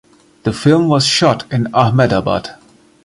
The film was shot in Ahmedabad.